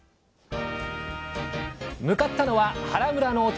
向かったのは原村のお隣